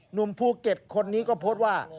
หนุ่มภูเก็ตคนนี้ก็โพสต์ว่า